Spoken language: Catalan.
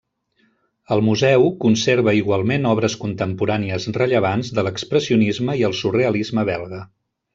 El museu conserva igualment obres contemporànies rellevants de l'expressionisme i el surrealisme belga.